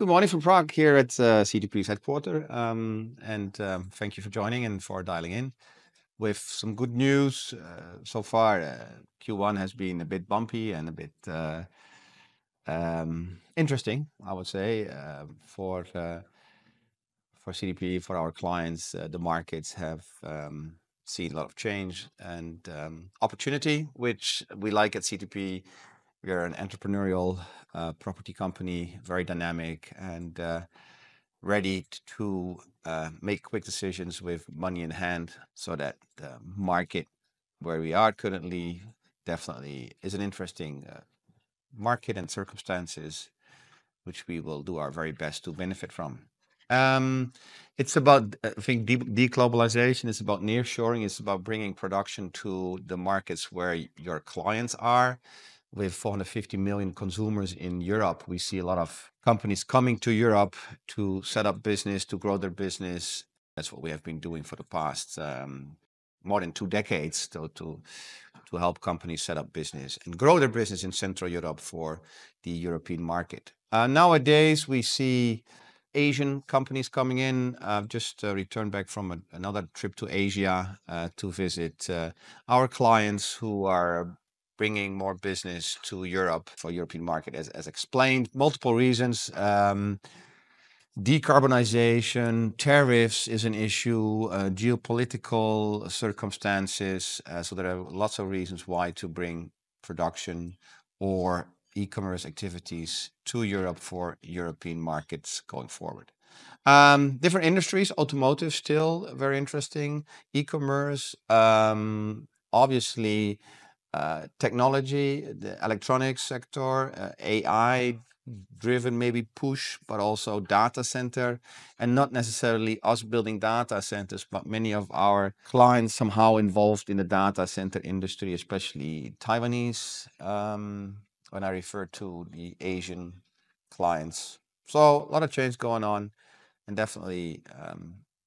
Good morning from Prague here at CTP's headquarters, and thank you for joining and for dialing in with some good news. So far, Q1 has been a bit bumpy and a bit interesting, I would say, for CTP, for our clients. The markets have seen a lot of change and opportunity, which we like at CTP. We are an entrepreneurial property company, very dynamic and ready to make quick decisions with money in hand so that the market where we are currently definitely is an interesting market and circumstances which we will do our very best to benefit from. It's about, I think, de-globalization. It's about nearshoring. It's about bringing production to the markets where your clients are. We have 450 million consumers in Europe. We see a lot of companies coming to Europe to set up business, to grow their business. That's what we have been doing for the past more than two decades, to help companies set up business and grow their business in Central Europe for the European market. Nowadays we see Asian companies coming in. I've just returned back from another trip to Asia to visit our clients who are bringing more business to Europe for the European market, as explained. Multiple reasons, decarbonization, tariffs is an issue, geopolitical circumstances, so there are lots of reasons why to bring production or e-commerce activities to Europe for European markets going forward. Different industries, automotive still very interesting, e-commerce, obviously, technology, the electronics sector, AI-driven maybe push, but also data center and not necessarily us building data centers, but many of our clients somehow involved in the data center industry, especially Taiwanese, when I refer to the Asian clients. A lot of change going on and definitely,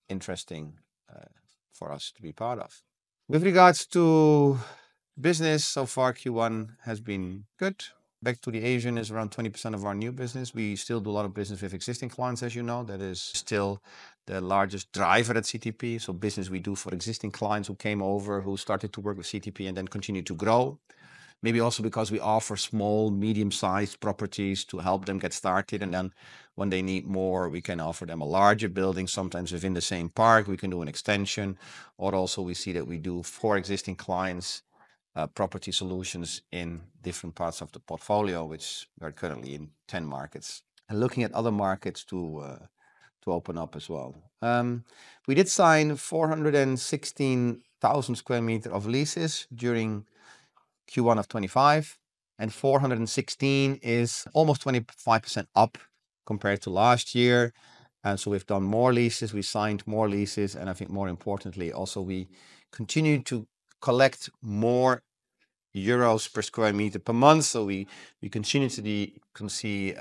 interesting, for us to be part of. With regards to business, so far Q1 has been good. Back to the Asian is around 20% of our new business. We still do a lot of business with existing clients, as you know. That is still the largest driver at CTP. Business we do for existing clients who came over, who started to work with CTP and then continue to grow. Maybe also because we offer small, medium-sized properties to help them get started. When they need more, we can offer them a larger building, sometimes within the same park. We can do an extension, or also we see that we do for existing clients, property solutions in different parts of the portfolio, which we are currently in 10 markets and looking at other markets to open up as well. We did sign 416,000 sq m of leases during Q1 of 2025, and 416 is almost 25% up compared to last year. We have done more leases, we signed more leases, and I think more importantly, also we continue to collect more euros per sq m per month. We continue to see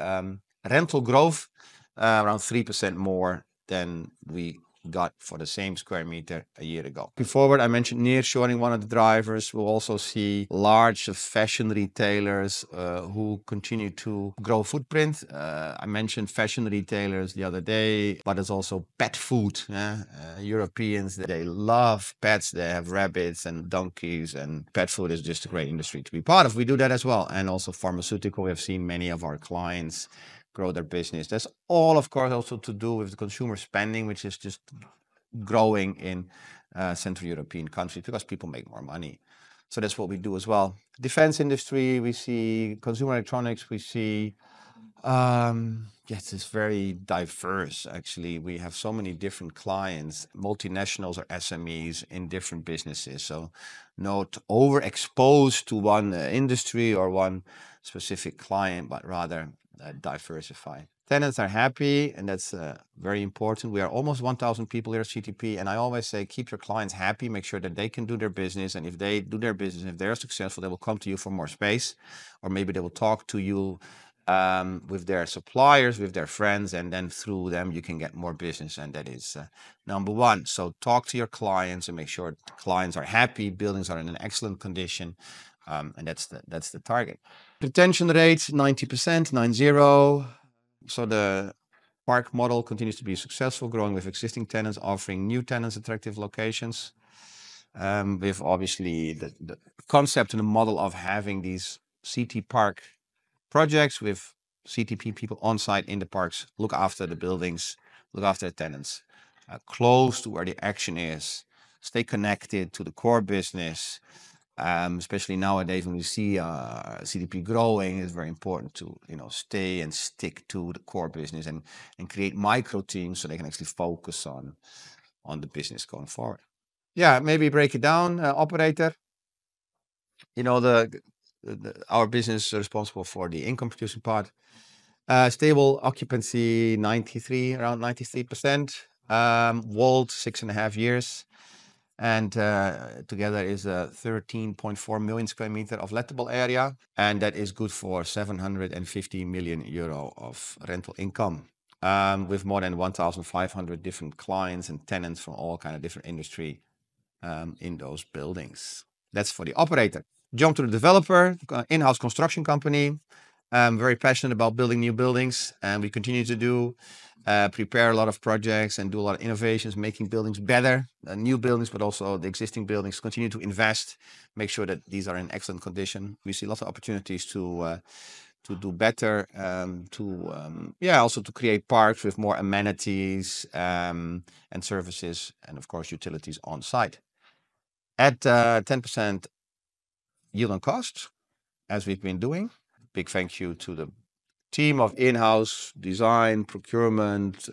rental growth, around 3% more than we got for the same sq m a year ago. Looking forward, I mentioned nearshoring. One of the drivers, we will also see large fashion retailers, who continue to grow footprint. I mentioned fashion retailers the other day, but it is also pet food. Yeah, Europeans, they love pets. They have rabbits and donkeys, and pet food is just a great industry to be part of. We do that as well. Also, pharmaceutical, we have seen many of our clients grow their business. That is all, of course, also to do with the consumer spending, which is just growing in Central European countries because people make more money. That is what we do as well. Defense industry, we see consumer electronics, we see, yes, it is very diverse. Actually, we have so many different clients, multinationals or SMEs in different businesses. Not overexposed to one industry or one specific client, but rather diversify. Tenants are happy, and that is very important. We are almost 1,000 people here at CTP, and I always say, keep your clients happy. Make sure that they can do their business. If they do their business, if they're successful, they will come to you for more space, or maybe they will talk to you, with their suppliers, with their friends, and then through them you can get more business. That is, number one. Talk to your clients and make sure clients are happy, buildings are in excellent condition. That is the target. Retention rate 90%. The park model continues to be successful, growing with existing tenants, offering new tenants attractive locations. Obviously, the concept and the model of having these CT park projects with CTP people on site in the parks, look after the buildings, look after tenants, close to where the action is, stay connected to the core business. Especially nowadays when we see, CTP growing, it's very important to, you know, stay and stick to the core business and, and create micro teams so they can actually focus on, on the business going forward. Yeah, maybe break it down, operator. You know, the, the, our business responsible for the income producing part, stable occupancy 93%, around 93%. Wald six and a half years. And, together is a 13.4 million sq m of lettable area. And that is good for 750 million euro of Rental Income, with more than 1,500 different clients and tenants from all kinds of different industries, in those buildings. That's for the operator. Jump to the developer, in-house construction company. very passionate about building new buildings. We continue to do, prepare a lot of projects and do a lot of innovations, making buildings better, new buildings, but also the existing buildings, continue to invest, make sure that these are in excellent condition. We see lots of opportunities to do better, to, yeah, also to create parks with more amenities, and services, and of course utilities on site at 10% yield on cost, as we've been doing. Big thank you to the team of in-house design procurement,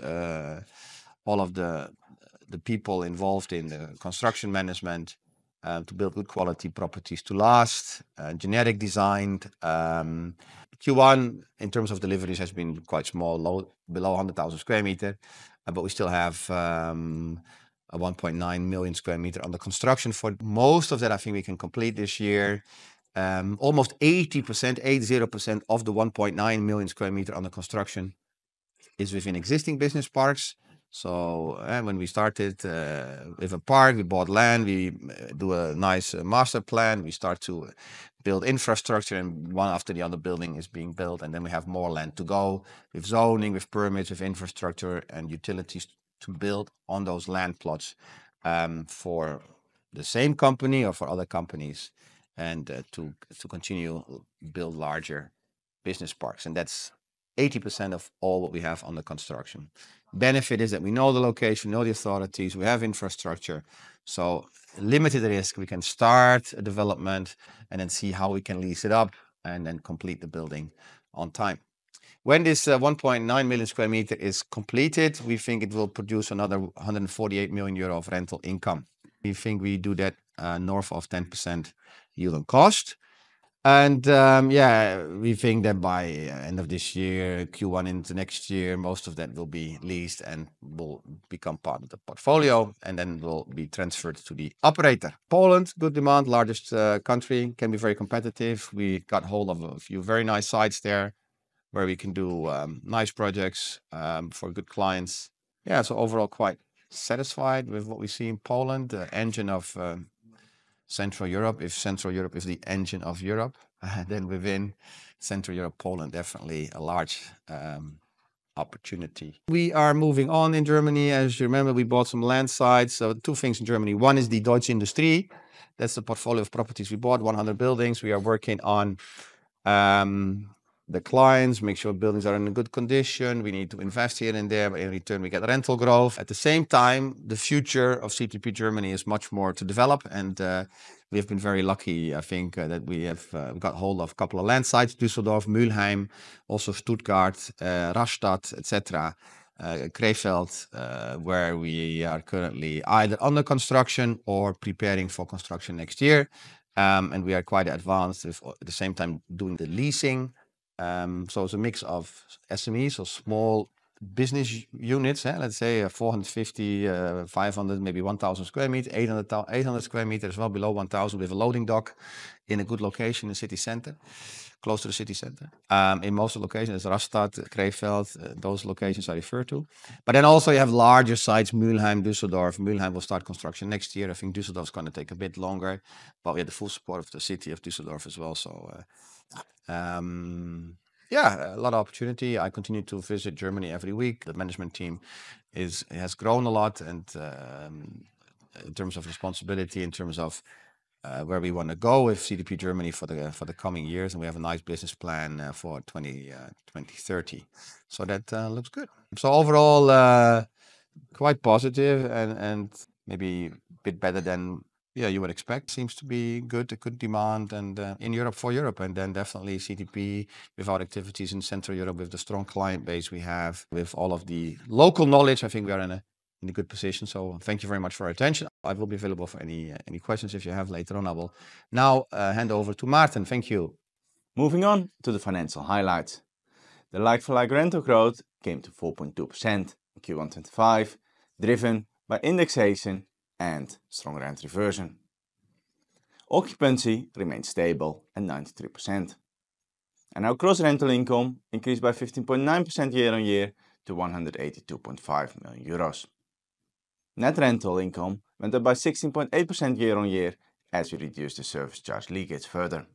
all of the people involved in the construction management, to build good quality properties to last, genetic designed. Q1 in terms of deliveries has been quite small, low, below 100,000 sq m, but we still have a 1.9 million sq m under construction for most of that. I think we can complete this year. Almost 80%, 80% of the 1.9 million sq m under construction is within existing business parks. When we started with a park, we bought land, we do a nice master plan, we start to build infrastructure and one after the other building is being built. We have more land to go with zoning, with permits, with infrastructure and utilities to build on those land plots, for the same company or for other companies, and to continue to build larger business parks. That is 80% of all what we have on the construction. Benefit is that we know the location, know the authorities, we have infrastructure. Limited risk, we can start a development and then see how we can lease it up and then complete the building on time. When this 1.9 million sq m is completed, we think it will produce another 148 million euro of rental income. We think we do that, north of 10% yield on cost. Yeah, we think that by end of this year, Q1 into next year, most of that will be leased and will become part of the portfolio and then will be transferred to the operator. Poland, good demand, largest, country can be very competitive. We got a hold of a few very nice sites there where we can do nice projects for good clients. Yeah. Overall, quite satisfied with what we see in Poland, the engine of Central Europe. If Central Europe is the engine of Europe, then within Central Europe, Poland, definitely a large opportunity. We are moving on in Germany. As you remember, we bought some land sites. Two things in Germany. One is the Deutsche Industrie. That's the portfolio of properties we bought, 100 buildings. We are working on the clients, make sure buildings are in good condition. We need to invest here and there, but in return we get rental growth. At the same time, the future of CTP Germany is much more to develop. We have been very lucky, I think, that we have got a hold of a couple of land sites: Düsseldorf, Mülheim, also Stuttgart, Rastatt, et cetera, Krefeld, where we are currently either under construction or preparing for construction next year. We are quite advanced at the same time doing the leasing. It is a mix of SMEs or small business units, huh, let's say 450, 500, maybe 1,000 sq m, 800, 800 sq m as well, below 1,000 with a loading dock in a good location in the city center, close to the city center. In most of the locations it is Rastatt, Krefeld, those locations I refer to. You also have larger sites, Mülheim, Düsseldorf. Mülheim will start construction next year. I think Düsseldorf is going to take a bit longer, but we have the full support of the city of Düsseldorf as well. Yeah, a lot of opportunity. I continue to visit Germany every week. The management team has grown a lot in terms of responsibility, in terms of where we want to go with CTP Germany for the coming years. We have a nice business plan for 2030. That looks good. Overall, quite positive and maybe a bit better than you would expect. Seems to be good demand in Europe for Europe. Definitely, CTP with our activities in Central Europe, with the strong client base we have, with all of the local knowledge, I think we are in a good position. Thank you very much for your attention. I will be available for any questions if you have later on. I will now hand over to Maarten. Thank you. Moving on to the financial highlights. The like-for-like rental growth came to 4.2% in Q1 2025, driven by indexation and strong rental reversion. Occupancy remained stable at 93%. Our gross rental income increased by 15.9% year-on-year to 182.5 million euros. Net rental income went up by 16.8% year-on-year as we reduced the service charge leakage further.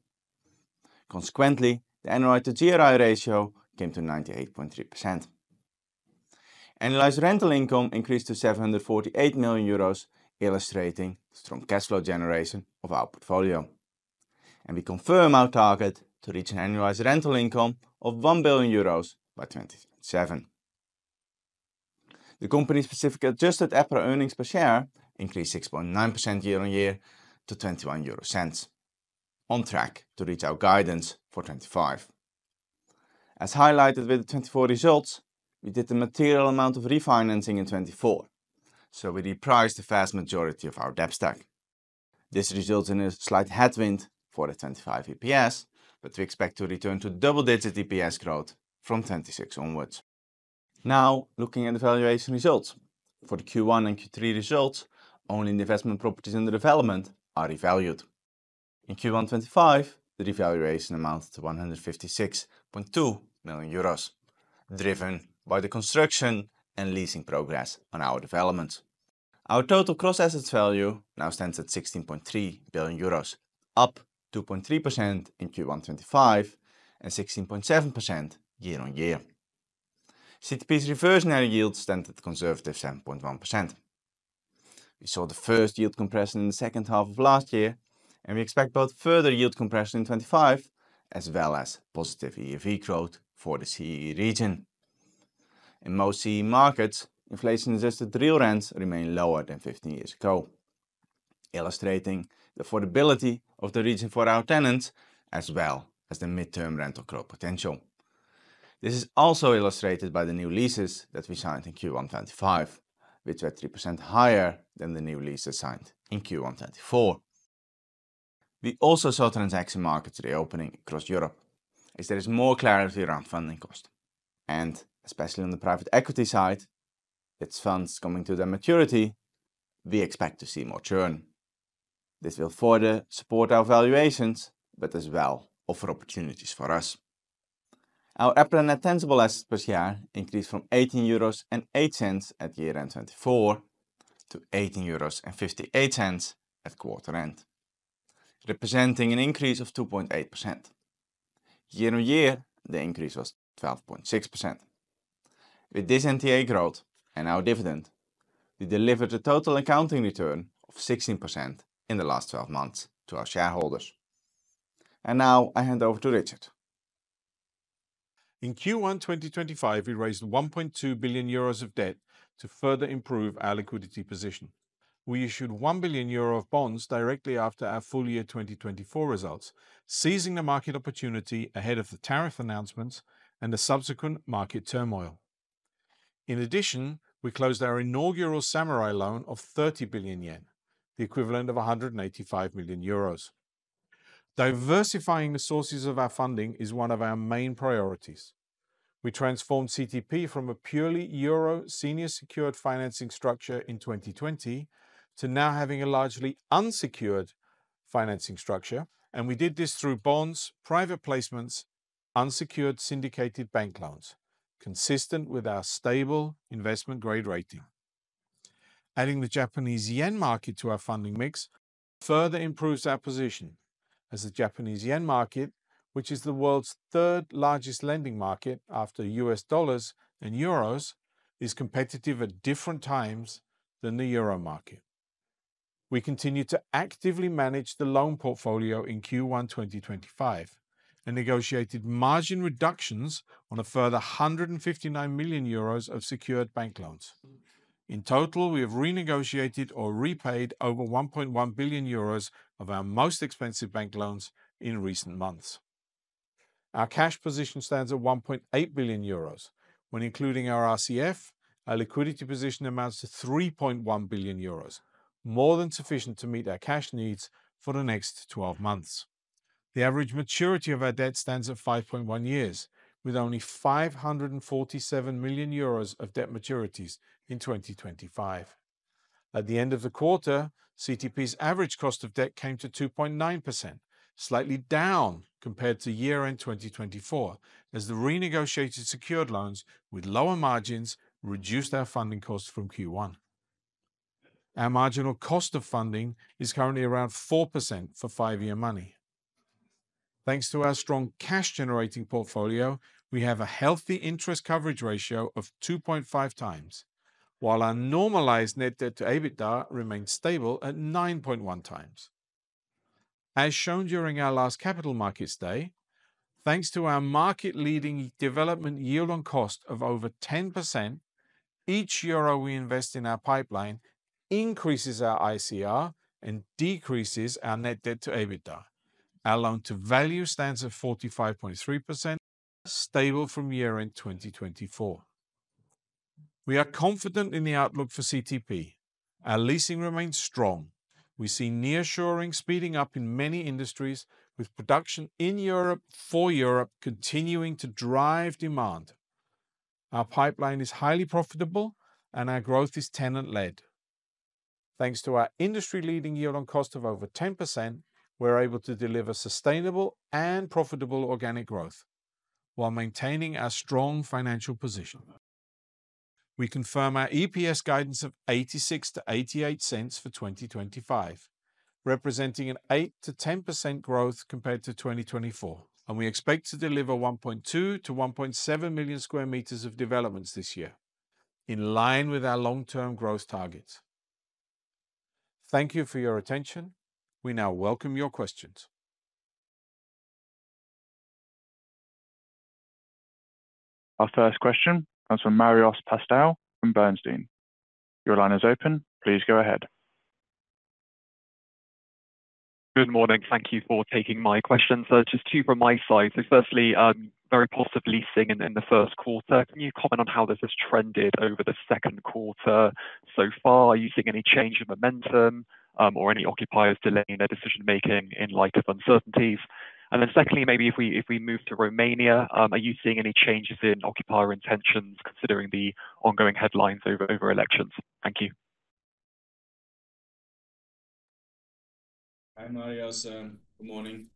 Consequently, the annualized to GRI ratio came to 98.3%. Annualized rental income increased to 748 million euros, illustrating the strong cash flow generation of our portfolio. We confirm our target to reach an annualized rental income of 1 billion euros by 2027. The company specific adjusted EPRA earnings per share increased 6.9% year-on-year to 0.21 on track to reach our guidance for 0.25. As highlighted with the 2024 results, we did a material amount of refinancing in 2024. We repriced the vast majority of our debt stack. This results in a slight headwind for the 2025 EPS, but we expect to return to double digit EPS growth from 2026 onwards. Now looking at the valuation results for the Q1 and Q3 results, only investment properties under development are revalued. In Q1 2025, the revaluation amounted to 156.2 million euros, driven by the construction and leasing progress on our developments. Our total gross assets value now stands at 16.3 billion euros, up 2.3% in Q1 2025 and 16.7% year-on-year. CTP's reversionary yield stands at a conservative 7.1%. We saw the first yield compression in the second half of last year, and we expect both further yield compression in 2025 as well as positive EV growth for the CEE region. In most CEE markets, inflation-resistant real rents remain lower than 15 years ago, illustrating the affordability of the region for our tenants, as well as the midterm rental growth potential. This is also illustrated by the new leases that we signed in Q1 2025, which were 3% higher than the new leases signed in Q1 2024. We also saw transaction markets reopening across Europe as there is more clarity around funding costs, and especially on the private equity side, its funds coming to their maturity, we expect to see more churn. This will further support our valuations, but as well offer opportunities for us. Our EPRA net tangible assets per share increased from 18.08 euros at year end 2024 to 18.58 euros at quarter end, representing an increase of 2.8%. Year-on-year, the increase was 12.6%. With this NTA growth and our dividend, we delivered a total accounting return of 16% in the last 12 months to our shareholders. I hand over to Richard. In Q1 2025, we raised 1.2 billion euros of debt to further improve our liquidity position. We issued 1 billion euro of bonds directly after our full year 2024 results, seizing the market opportunity ahead of the tariff announcements and the subsequent market turmoil. In addition, we closed our inaugural samurai loan of 30 billion yen, the equivalent of 185 million euros. Diversifying the sources of our funding is one of our main priorities. We transformed CTP from a purely euro senior secured financing structure in 2020 to now having a largely unsecured financing structure. We did this through bonds, private placements, unsecured syndicated bank loans, consistent with our stable investment grade rating. Adding the Japanese yen market to our funding mix further improves our position as the Japanese Yen market, which is the world's third largest lending market after US dollars and euros, is competitive at different times than the euro market. We continue to actively manage the loan portfolio in Q1 2025 and negotiated margin reductions on a further 159 million euros of secured bank loans. In total, we have renegotiated or repaid over 1.1 billion euros of our most expensive bank loans in recent months. Our cash position stands at 1.8 billion euros. When including our RCF, our liquidity position amounts to 3.1 billion euros, more than sufficient to meet our cash needs for the next 12 months. The average maturity of our debt stands at 5.1 years, with only 547 million euros of debt maturities in 2025. At the end of the quarter, CTP's average cost of debt came to 2.9%, slightly down compared to year end 2024, as the renegotiated secured loans with lower margins reduced our funding costs from Q1. Our marginal cost of funding is currently around 4% for five year money. Thanks to our strong cash generating portfolio, we have a healthy interest coverage ratio of 2.5 times, while our normalized net debt to EBITDA remains stable at 9.1 times. As shown during our last capital markets day, thanks to our market leading development yield on cost of over 10%, each euro we invest in our pipeline increases our ICR and decreases our net debt to EBITDA. Our loan to value stands at 45.3%, stable from year end 2024. We are confident in the outlook for CTP. Our leasing remains strong. We see nearshoring speeding up in many industries, with production in Europe for Europe continuing to drive demand. Our pipeline is highly profitable and our growth is tenant led. Thanks to our industry leading yield on cost of over 10%, we are able to deliver sustainable and profitable organic growth while maintaining our strong financial position. We confirm our EPS guidance of 0.86-0.88 for 2025, representing 8%-10% growth compared to 2024. We expect to deliver 1.2-1.7 million sq m of developments this year, in line with our long-term growth targets. Thank you for your attention. We now welcome your questions. Our first question comes from Marios Pastou from Bernstein. Your line is open. Please go ahead. Good morning. Thank you for taking my question. Just two from my side. Firstly, very positive leasing in the first quarter. Can you comment on how this has trended over the second quarter so far? Are you seeing any change in momentum, or any occupiers delaying their decision making in light of uncertainties? Secondly, maybe if we move to Romania, are you seeing any changes in occupier intentions considering the ongoing headlines over elections? Thank you. Hi Marios, good morning.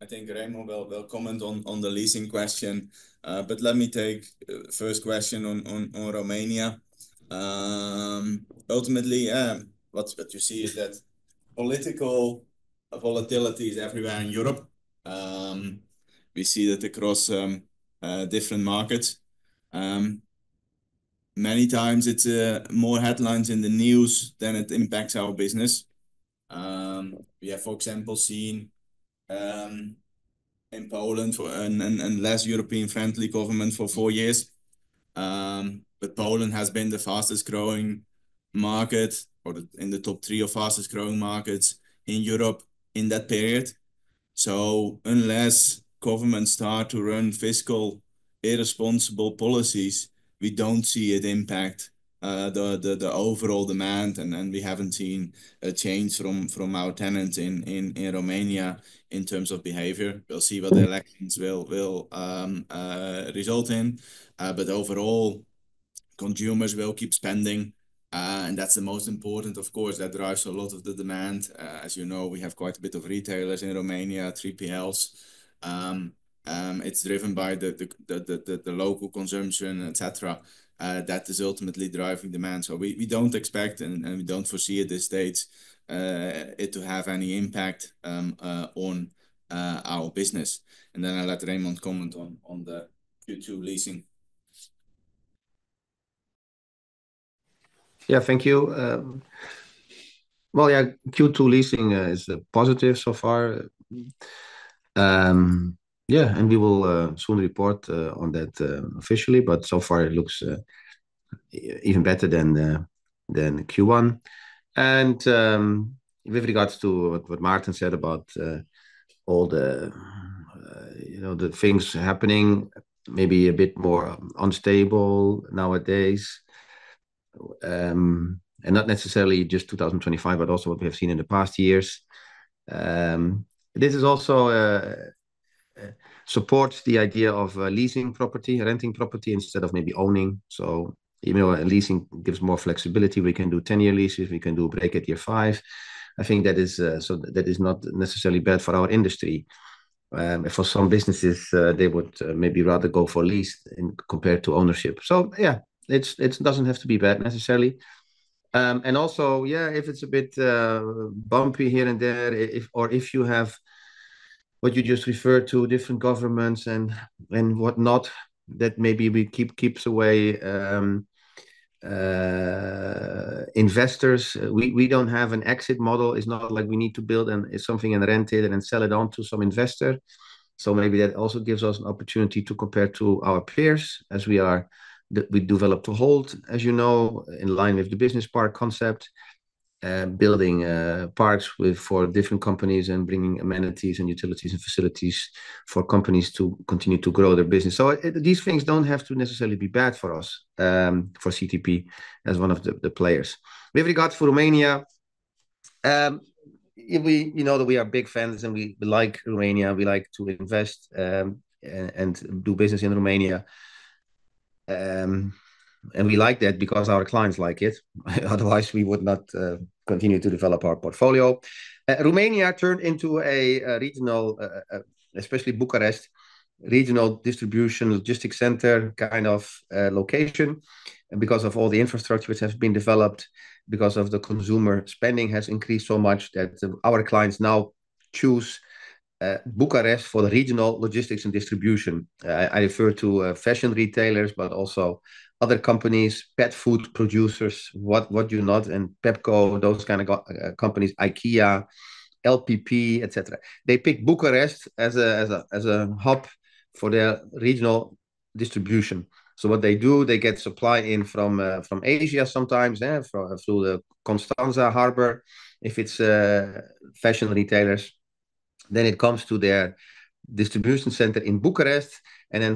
I think Remon will comment on the leasing question, but let me take the first question on Romania. Ultimately, yeah, what you see is that political volatility is everywhere in Europe. We see that across different markets. Many times it's more headlines in the news than it impacts our business. We have, for example, seen in Poland, and less European friendly government for four years. Poland has been the fastest growing market or in the top three of fastest growing markets in Europe in that period. Unless governments start to run fiscal irresponsible policies, we do not see it impact the overall demand. We have not seen a change from our tenants in Romania in terms of behavior. We will see what the elections will result in. Overall, consumers will keep spending, and that is the most important, of course, that drives a lot of the demand. As you know, we have quite a bit of retailers in Romania, 3PLs. It is driven by the local consumption, et cetera. That is ultimately driving demand. We do not expect and we do not foresee at this state it to have any impact on our business. I'll let Remon comment on the Q2 leasing. Thank you. Q2 leasing is positive so far. We will soon report on that officially, but so far it looks even better than Q1. With regards to what Maarten said about all the things happening, maybe a bit more unstable nowadays, and not necessarily just 2025, but also what we have seen in the past years, this also supports the idea of leasing property, renting property instead of maybe owning. Even though leasing gives more flexibility, we can do 10 year leases, we can do break at year five. I think that is not necessarily bad for our industry. For some businesses, they would maybe rather go for lease in compared to ownership. It does not have to be bad necessarily. Also, yeah, if it's a bit bumpy here and there, or if you have what you just referred to, different governments and whatnot, that maybe keeps away investors. We don't have an exit model. It's not like we need to build something and rent it and then sell it on to some investor. Maybe that also gives us an opportunity compared to our peers, as we are, that we develop to hold, as you know, in line with the business park concept, building parks for different companies and bringing amenities and utilities and facilities for companies to continue to grow their business. These things don't have to necessarily be bad for us, for CTP as one of the players. With regards to Romania, you know that we are big fans and we like Romania, we like to invest and do business in Romania. We like that because our clients like it. Otherwise, we would not continue to develop our portfolio. Romania turned into a regional, especially Bucharest regional distribution logistics center kind of location. Because of all the infrastructure which has been developed, because consumer spending has increased so much that our clients now choose Bucharest for the regional logistics and distribution. I refer to fashion retailers, but also other companies, pet food producers, what do you not, and Pepco, those kind of companies, IKEA, LPP, et cetera. They pick Bucharest as a hub for their regional distribution. What they do, they get supply in from Asia sometimes, yeah, through the Constanța harbor. If it's fashion retailers, then it comes to their distribution center in Bucharest.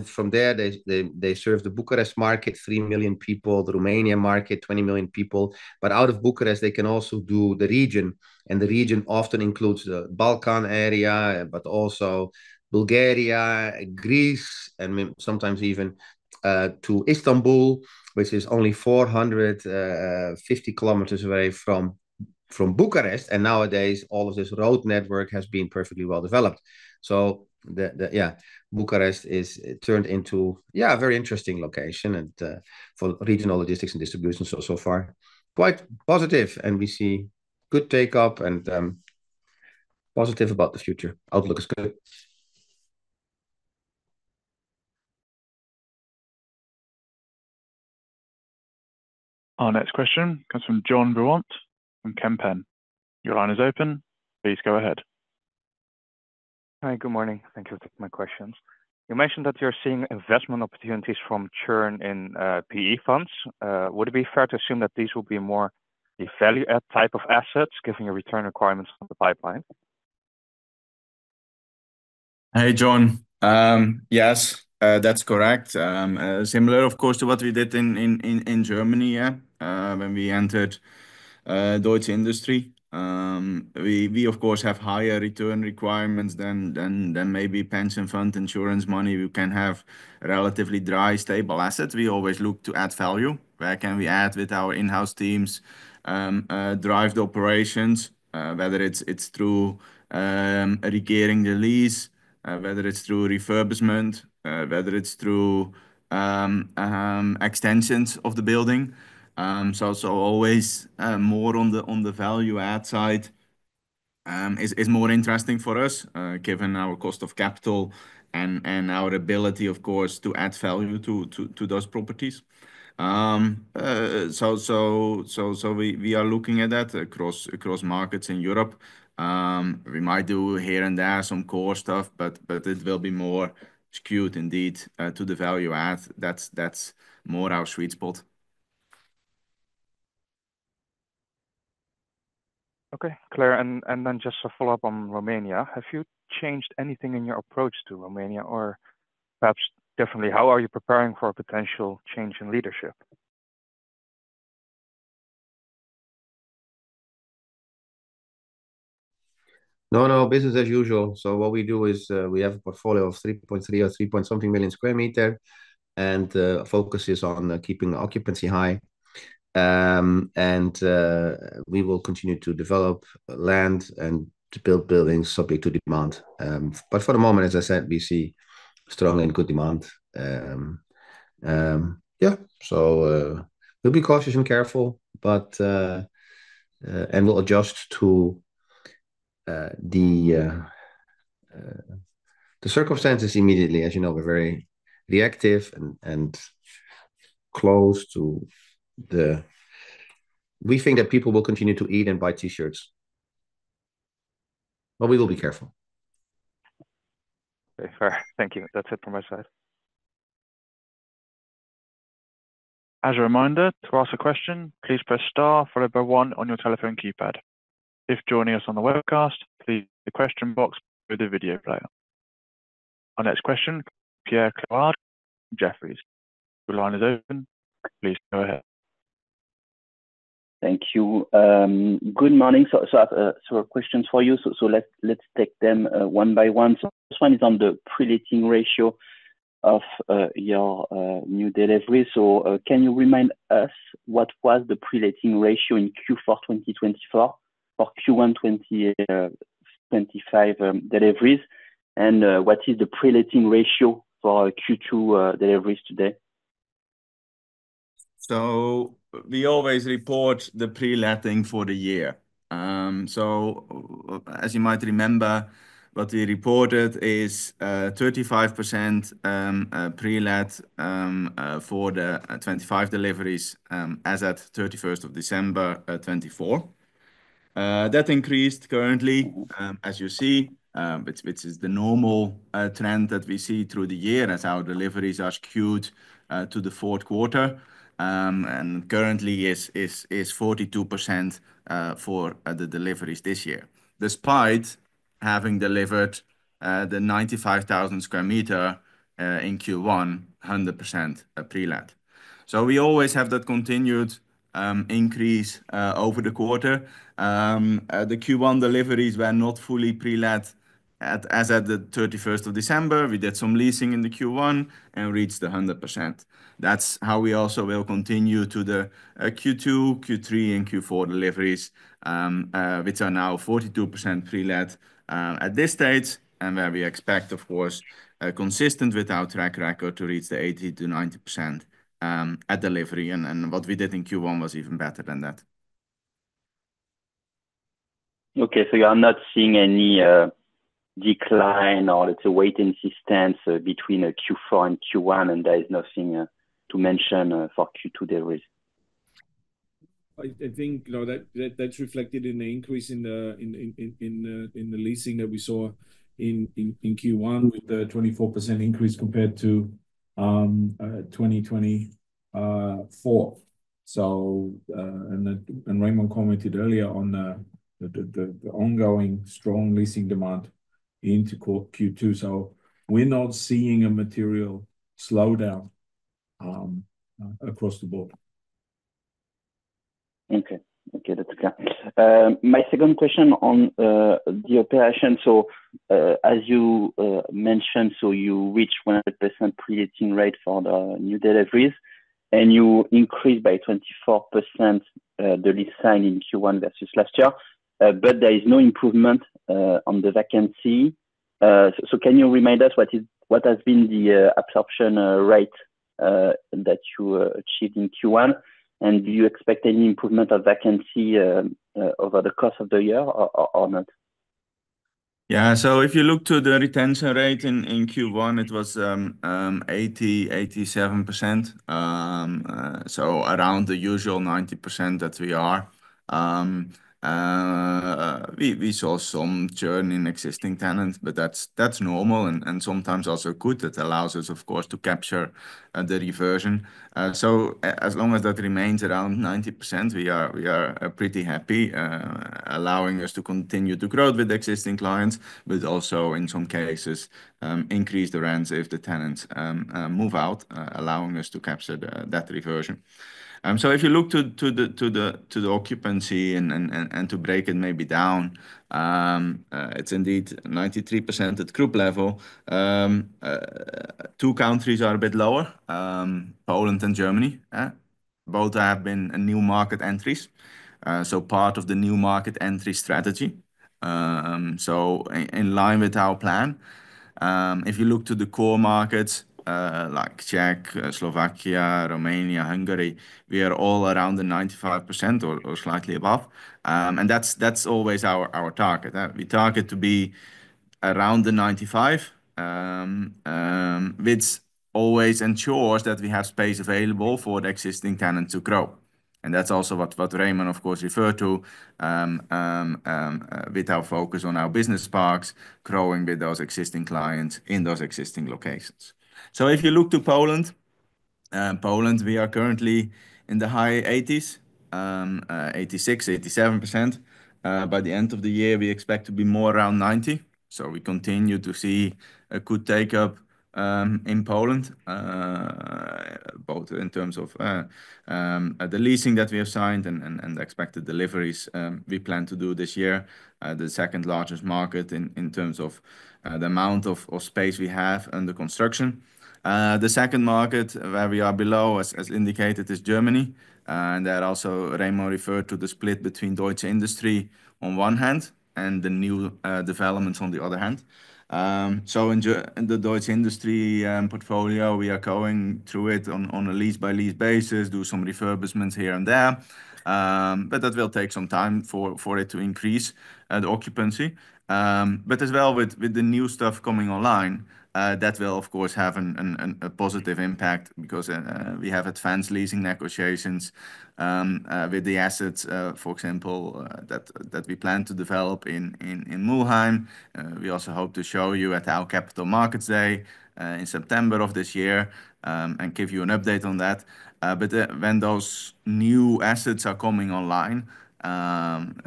From there, they serve the Bucharest market, 3 million people, the Romania market, 20 million people. Out of Bucharest, they can also do the region. The region often includes the Balkan area, but also Bulgaria, Greece, and sometimes even to Istanbul, which is only 450 km away from Bucharest. Nowadays, all of this road network has been perfectly well developed. Bucharest has turned into a very interesting location for regional logistics and distribution. So far, quite positive. We see good take up and are positive about the future. Outlook is good. Our next question comes from John Vuong from Kempen. Your line is open. Please go ahead. Hi, good morning. Thank you for taking my questions. You mentioned that you're seeing investment opportunities from churn in PE funds. Would it be fair to assume that these will be more the value add type of assets, given your return requirements on the pipeline? Hey, John. Yes, that's correct. Similar, of course, to what we did in Germany, yeah, when we entered Deutsche Industrie. We, of course, have higher return requirements than maybe pension fund insurance money. We can have relatively dry, stable assets. We always look to add value. Where can we add with our in-house teams, drive the operations, whether it's through regearing the lease, whether it's through refurbishment, whether it's through extensions of the building. Always, more on the value add side, is more interesting for us, given our cost of capital and our ability, of course, to add value to those properties. We are looking at that across markets in Europe. We might do here and there some core stuff, but it will be more skewed indeed to the value add. That is more our sweet spot. Okay, Claire. And just to follow up on Romania, have you changed anything in your approach to Romania or perhaps differently? How are you preparing for a potential change in leadership? No, business as usual. What we do is, we have a portfolio of 3.3 or 3 point something million sq m and focus on keeping occupancy high. We will continue to develop land and to build buildings subject to demand. For the moment, as I said, we see strong and good demand. Yeah, we will be cautious and careful, and we will adjust to the circumstances immediately. As you know, we are very reactive and close to the market. We think that people will continue to eat and buy t-shirts, but we will be careful. Okay, fair. Thank you. That is it from my side. As a reminder, to ask a question, please press star and the number one on your telephone keypad. If joining us on the webcast, please use the question box with the video player. Our next question, Pierre Clouard from Jefferies. Your line is open. Please go ahead. Thank you. Good morning. A question for you. Let us take them one by one. This one is on the pre-letting ratio of your new deliveries. Can you remind us what was the pre-letting ratio in Q4 2024 for Q1 2025 deliveries? What is the pre-letting ratio for Q2 deliveries today? We always report the pre-letting for the year. As you might remember, what we reported is 35% pre-let for the 2025 deliveries as at 31st December 2024. That increased currently, as you see, which is the normal trend that we see through the year as our deliveries are skewed to the fourth quarter. Currently, it is 42% for the deliveries this year, despite having delivered the 95,000 sq m in Q1, 100% pre-let. We always have that continued increase over the quarter. The Q1 deliveries were not fully pre-let as at 31st December. We did some leasing in Q1 and reached 100%. That is how we also will continue to the Q2, Q3, and Q4 deliveries, which are now 42% pre-let at this stage and where we expect, of course, consistent with our track record, to reach the 80-90% at delivery. What we did in Q1 was even better than that. You are not seeing any decline or, let's say, waiting systems between Q4 and Q1, and there is nothing to mention for Q2 deliveries. I think that is reflected in the increase in the leasing that we saw in Q1 with the 24% increase compared to 2024. Remon commented earlier on the ongoing strong leasing demand into Q2. We're not seeing a material slowdown across the board. Okay. Okay. That's good. My second question on the operation. As you mentioned, you reached 100% pre-letting rate for the new deliveries and you increased by 24% the lease sign in Q1 versus last year, but there is no improvement on the vacancy. Can you remind us what has been the absorption rate that you achieved in Q1? Do you expect any improvement of vacancy over the course of the year or not? Yeah. If you look to the retention rate in Q1, it was 87%, so around the usual 90% that we are. We saw some churn in existing tenants, but that's normal and sometimes also good. That allows us, of course, to capture the reversion. As long as that remains around 90%, we are pretty happy, allowing us to continue to grow with existing clients, but also in some cases, increase the rents if the tenants move out, allowing us to capture that reversion. If you look to the occupancy and break it maybe down, it's indeed 93% at group level. Two countries are a bit lower, Poland and Germany. Both have been new market entries, so part of the new market entry strategy, in line with our plan. If you look to the core markets, like Czech, Slovakia, Romania, Hungary, we are all around the 95% or slightly above. That's always our target. We target to be around the 95%, which always ensures that we have space available for the existing tenant to grow. That is also what Remon, of course, referred to, with our focus on our business parks, growing with those existing clients in those existing locations. If you look to Poland, we are currently in the high 80s, 86-87%. By the end of the year, we expect to be more around 90%. We continue to see a good take up in Poland, both in terms of the leasing that we have signed and expected deliveries we plan to do this year. The second largest market in terms of the amount of space we have under construction. The second market where we are below, as indicated, is Germany. There also Remon referred to the split between Deutschen Industrie on one hand and the new developments on the other hand. In the Deutschen Industrie portfolio, we are going through it on a lease by lease basis, do some refurbishments here and there. That will take some time for it to increase the occupancy. As well, with the new stuff coming online, that will, of course, have a positive impact because we have advanced leasing negotiations with the assets, for example, that we plan to develop in Mülheim. We also hope to show you at our capital markets day in September of this year and give you an update on that. When those new assets are coming online,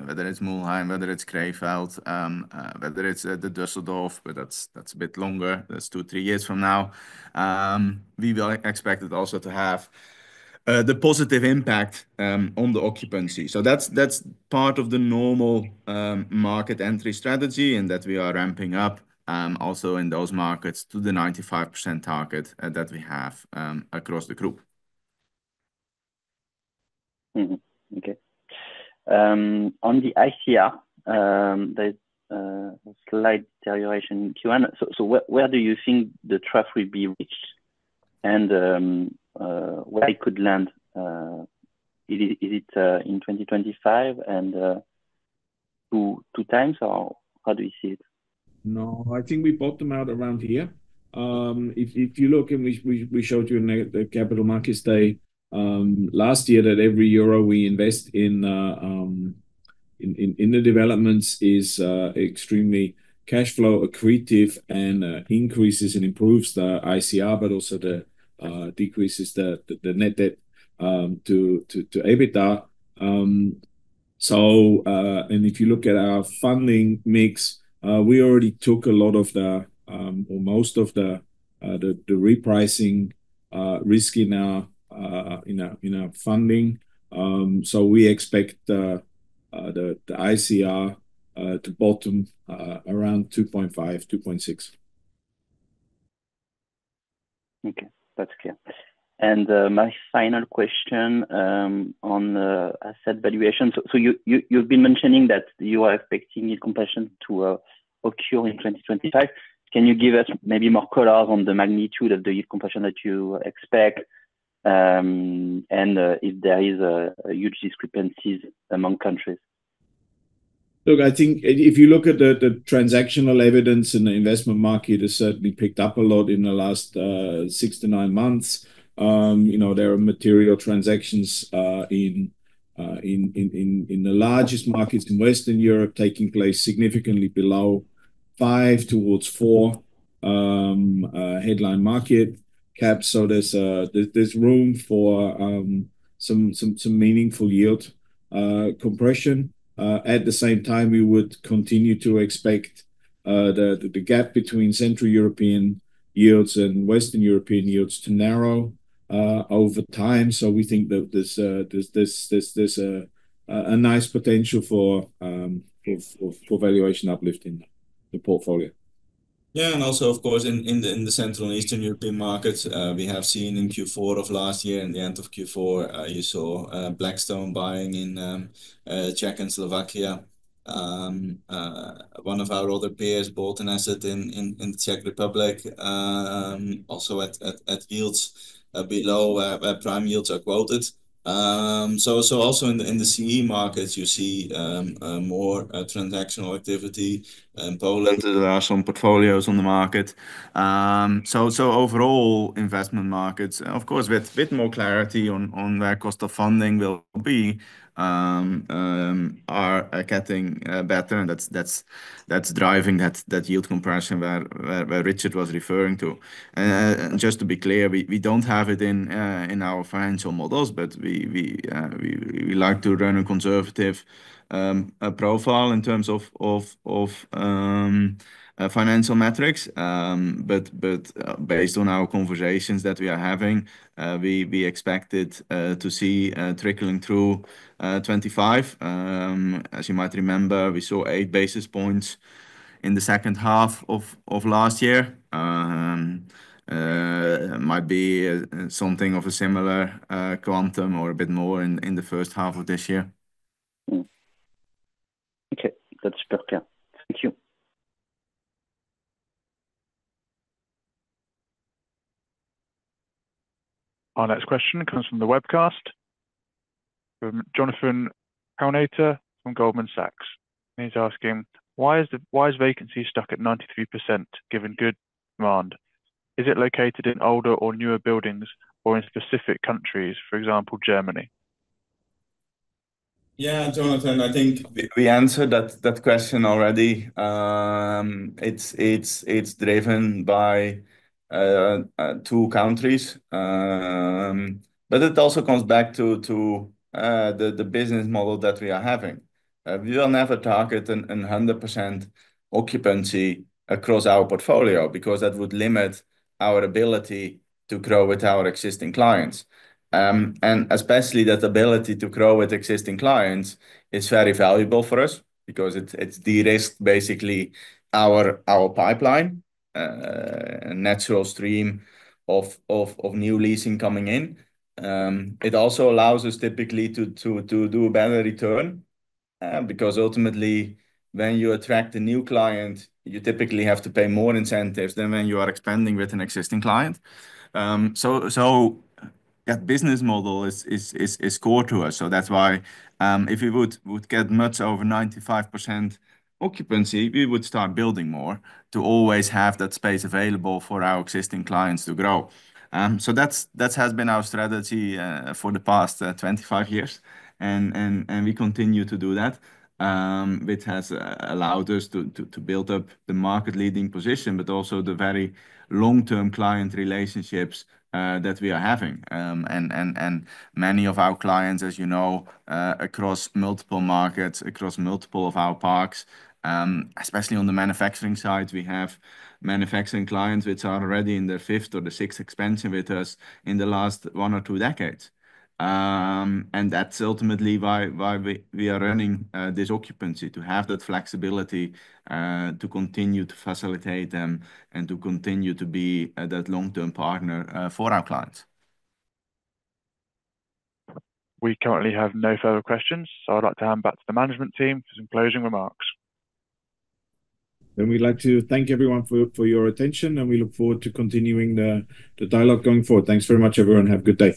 whether it is Mülheim, whether it is Krefeld, whether it is Düsseldorf, that is a bit longer, that is two-three years from now. We will expect it also to have the positive impact on the occupancy. That's part of the normal market entry strategy and we are ramping up also in those markets to the 95% target that we have across the group. Mm-hmm. Okay. On the ICR, there's a slight deterioration in Q1. Where do you think the trough will be reached and where it could land? Is it in 2025 and two times or how do you see it? No, I think we bottom out around here. If you look, and we showed you in the capital markets day last year, that every euro we invest in the developments is extremely cash flow accretive and increases and improves the ICR, but also decreases the net debt to EBITDA. If you look at our funding mix, we already took a lot of the, or most of the repricing risk in our funding. We expect the ICR to bottom around 2.5-2.6. Okay. That's clear. My final question, on asset valuation. You have been mentioning that you are expecting yield compression to occur in 2025. Can you give us maybe more colors on the magnitude of the yield compression that you expect, and if there are huge discrepancies among countries? I think if you look at the transactional evidence in the investment market, it has certainly picked up a lot in the last six to nine months. You know, there are material transactions in the largest markets in Western Europe taking place significantly below five towards four, headline market caps. There is room for some meaningful yield compression. At the same time, we would continue to expect the gap between Central European yields and Western European yields to narrow over time. We think that there is a nice potential for valuation uplift in the portfolio. Yeah. Also, of course, in the Central and Eastern European markets, we have seen in Q4 of last year and the end of Q4, you saw Blackstone buying in Czech and Slovakia. One of our other peers bought an asset in the Czech Republic, also at yields below where prime yields are quoted. Also in the CE markets, you see more transactional activity in Poland. There are some portfolios on the market. Overall, investment markets, of course, with more clarity on where cost of funding will be, are getting better. That is driving that yield compression where Richard was referring to. Just to be clear, we do not have it in our financial models, but we like to run a conservative profile in terms of financial metrics. Based on our conversations that we are having, we expected to see trickling through 2025. As you might remember, we saw eight basis points in the second half of last year. Might be something of a similar quantum or a bit more in the first half of this year. Okay. That's perfect. Thank you. Our next question comes from the webcast. From Jonathan Kownator from Goldman Sachs. He's asking, why is vacancy stuck at 93% given good demand? Is it located in older or newer buildings or in specific countries, for example, Germany? Yeah, Jonathan, I think we answered that question already. It's driven by two countries. It also comes back to the business model that we are having. We will never target a 100% occupancy across our portfolio because that would limit our ability to grow with our existing clients. Especially that ability to grow with existing clients is very valuable for us because it de-risked basically our pipeline, and natural stream of new leasing coming in. It also allows us typically to do a better return, because ultimately when you attract a new client, you typically have to pay more incentives than when you are expanding with an existing client. That business model is core to us. That is why, if we would get much over 95% occupancy, we would start building more to always have that space available for our existing clients to grow. That has been our strategy for the past 25 years and we continue to do that, which has allowed us to build up the market leading position, but also the very long-term client relationships that we are having. And many of our clients, as you know, across multiple markets, across multiple of our parks, especially on the manufacturing side, we have manufacturing clients which are already in their fifth or sixth expansion with us in the last one or two decades. That is ultimately why we are running this occupancy, to have that flexibility, to continue to facilitate them and to continue to be that long-term partner for our clients. We currently have no further questions. I would like to hand back to the management team for some closing remarks. We would like to thank everyone for your attention and we look forward to continuing the dialogue going forward. Thanks very much, everyone. Have a good day.